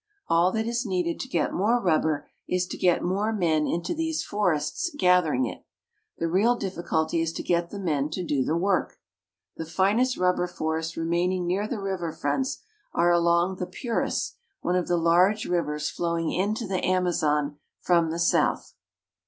All that is needed to get more rubber is to get more men into these forests gathering it. The real difficulty is to get the men to do the work. The finest rubber forests remaining near the river fronts are along the Purus, one of the large rivers flowing into the Amazon from the south.